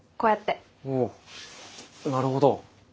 おおなるほど。